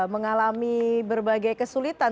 mengalami berbagai kesulitan